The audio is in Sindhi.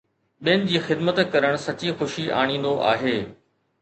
ٻين جي خدمت ڪرڻ سچي خوشي آڻيندو آهي